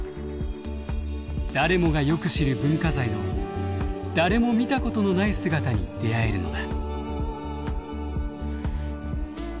誰もがよく知る文化財の誰も見たことのない姿に出会えるのだ。